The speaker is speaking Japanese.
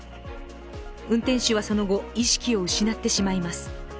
運転手はその後、意識を失ってしまいます。